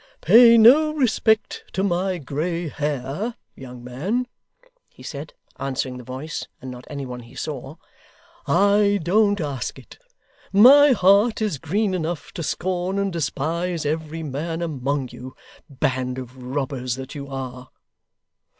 'Pay no respect to my grey hair, young man,' he said, answering the voice and not any one he saw. 'I don't ask it. My heart is green enough to scorn and despise every man among you, band of robbers that you are!